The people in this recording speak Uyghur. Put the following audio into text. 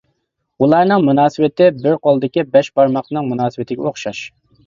ئۇلارنىڭ مۇناسىۋىتى بىر قولدىكى بەش بارماقنىڭ مۇناسىۋىتىگە ئوخشاش.